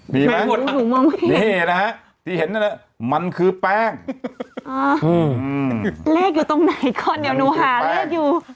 มีมั้ยนี่นะฮะที่เห็นมันคือแป้งเลขอยู่ตรงไหนก่อนเดี๋ยวหนูหาเลขอยู่